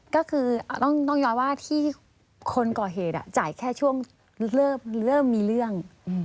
ก็คือต้องย้อนว่าที่คนก่อเหตุจ่ายแค่ช่วงเริ่มมีเรื่อง